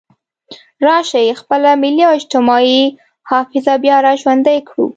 راشئ خپله ملي او اجتماعي حافظه بیا را ژوندۍ کړو.